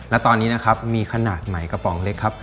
และตอนนี้นะครับมีขนาดใหม่กระป๋องเล็กครับ